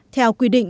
theo quy định